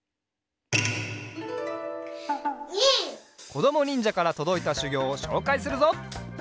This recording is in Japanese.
こどもにんじゃからとどいたしゅぎょうをしょうかいするぞ！